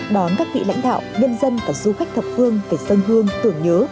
đón các vị lãnh đạo nhân dân và du khách thập hương về sân hương tưởng nhớ